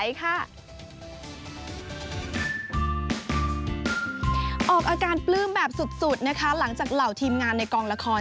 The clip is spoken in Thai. ออกอาการปลื้มแบบสุดนะคะหลังจากเหล่าทีมงานในกองละคร